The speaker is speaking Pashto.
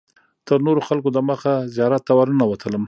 تر نورو خلکو دمخه زیارت ته ورننوتم.